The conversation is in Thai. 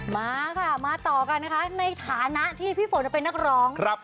มาค่ะมาต่อกันนะคะในฐานะที่พี่ฝนเป็นนักร้อง